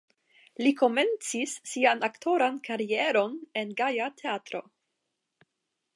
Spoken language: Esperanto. Li komencis sian aktoran karieron en Gaja Teatro.